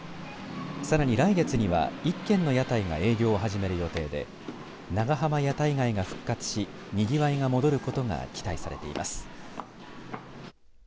さらに来月には１軒の屋台が営業を始める予定で長浜屋台街が復活しにぎわいが戻ることが期待されています。